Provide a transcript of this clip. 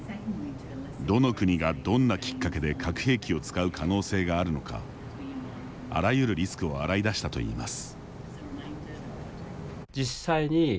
どの国が、どんなきっかけで核兵器を使う可能性があるのかあらゆるリスクを洗い出したといいます。